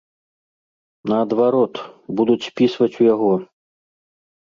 Наадварот, будуць спісваць у яго.